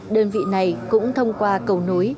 đơn vị này cũng thông qua cầu nối